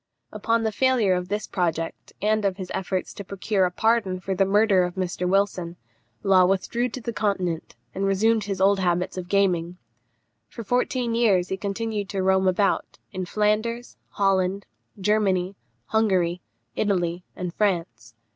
Upon the failure of this project, and of his efforts to procure a pardon for the murder of Mr. Wilson, Law withdrew to the Continent, and resumed his old habits of gaming. For fourteen years he continued to roam about, in Flanders, Holland, Germany, Hungary, Italy, and France.